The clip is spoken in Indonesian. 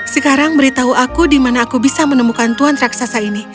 sekarang beritahu aku di mana aku bisa menemukan tuan raksasa ini